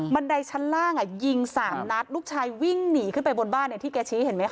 ันไดชั้นล่างยิงสามนัดลูกชายวิ่งหนีขึ้นไปบนบ้านที่แกชี้เห็นไหมค